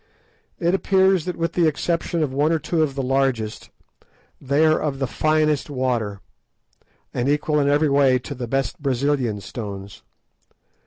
It appears that (with the exception of one or two of the largest) they are of the finest water, and equal in every way to the best Brazilian stones.